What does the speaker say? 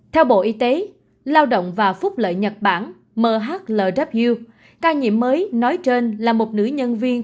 theo bộ y tế lao động và phúc lợi nhật bản mhw ca nhiễm mới nói trên là một nữ nhân viên